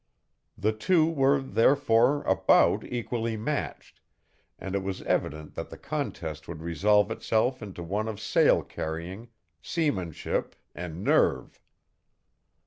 The two were, therefore, about equally matched, and it was evident that the contest would resolve itself into one of sail carrying, seamanship, and nerve.